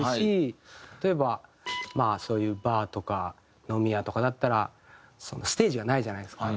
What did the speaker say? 例えばまあそういうバーとか飲み屋とかだったらそんなステージがないじゃないですか。